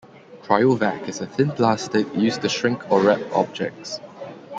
Cryovac is a thin plastic, used to shrink or wrap objects.